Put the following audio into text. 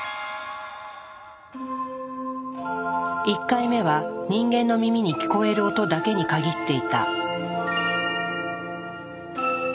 １回目は人間の耳に聞こえる音だけに限っていた。